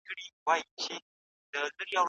چارواکي به د بشري حقونو قانون پلی کړي.